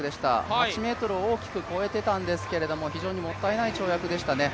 ８ｍを大きく越えていたんですけれども、非常にもったいない跳躍でしたね。